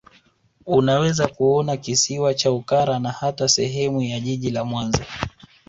Unaweza kuona Kisiwa cha Ukara na hata sehemu ya Jiji la Mwanza